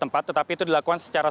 tempat tetapi itu dilakukan secara